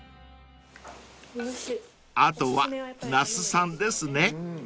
［あとは那須さんですね］